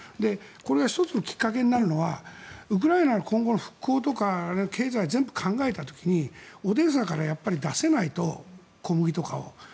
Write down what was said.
これが１つのきっかけになるのはウクライナの今後の復興とか経済など全部考えた時にオデーサからやっぱり出せないと小麦とかを。